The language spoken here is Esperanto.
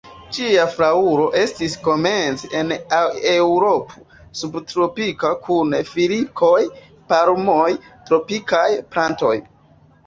Ĝia flaŭro estis komence en Eŭropo subtropika kun filikoj, palmoj, tropikaj plantoj.